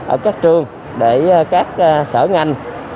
ở các trường để các sở ngành